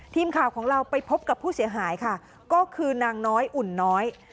ทีมข่าวของเราไปพบกับผู้เสียหายค่ะก็คือนางน้อยอุ่นน้อย